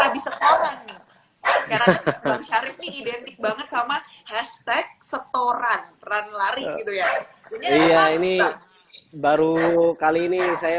lebih setoran identik banget sama hashtag setoran terang lari gitu ya iya ini baru kali ini saya